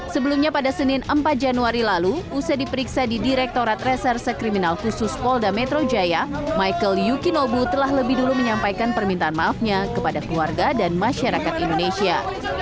sebelumnya pada senin empat januari lalu usai diperiksa di direktorat reserse kriminal khusus polda metro jaya michael yukinobu telah lebih dulu menyampaikan permintaan maafnya kepada keluarga dan masyarakat indonesia